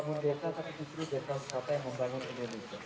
membuatnya lebih mudah dan lebih mudah untuk mencari tempat yang lebih lengkap